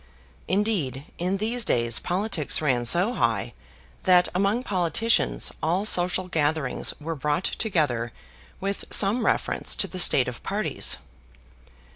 Indeed, in these days politics ran so high that among politicians all social gatherings were brought together with some reference to the state of parties.